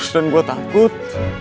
dan gua takut